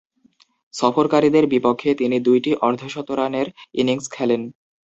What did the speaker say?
সফরকারীদের বিপক্ষে তিনি দুইটি অর্ধ-শতরানের ইনিংস খেলেন।